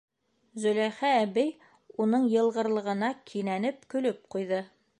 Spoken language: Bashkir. Зөләйха әбей уның йылғырлығына кинәнеп көлөп ҡуйҙы: